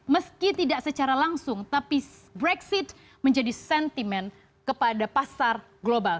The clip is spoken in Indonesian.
meski tidak secara langsung tapi brexit menjadi sentimen kepada pasar global